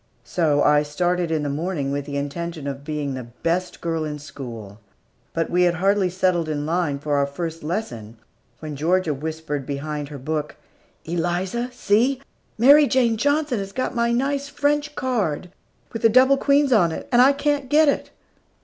So I started in the morning with the intention of being the best girl in school; but we had hardly settled in line for our first lesson, when Georgia whispered behind her book, "Eliza, see! Mary Jane Johnson has got my nice French card, with the double queens on it, and I can't get it."